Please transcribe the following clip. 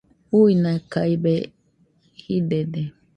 Uinakaibe jidede